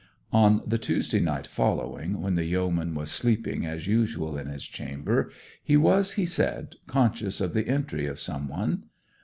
On the Tuesday night following, when the yeoman was sleeping as usual in his chamber, he was, he said, conscious of the entry of some one.